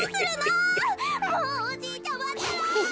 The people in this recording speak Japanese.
もうおじいちゃまったら！